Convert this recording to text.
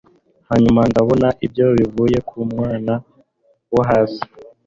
hanyuma ndabona ibyo bivuye ku munwa wo hasi